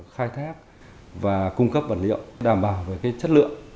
khai thép và cung cấp vật liệu đảm bảo về cái chất lượng